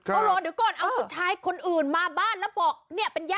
เอาล่ะเดี๋ยวก่อนเอาผู้ชายคนอื่นมาบ้านแล้วบอก